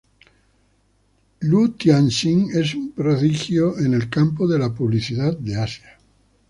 Lu Tian Xing es un prodigio en el campo de la publicidad de Asia.